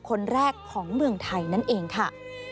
คนแรกของเมืองไทยนั่นเองค่ะ